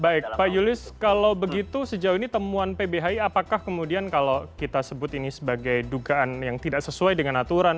baik pak julius kalau begitu sejauh ini temuan pbhi apakah kemudian kalau kita sebut ini sebagai dugaan yang tidak sesuai dengan aturan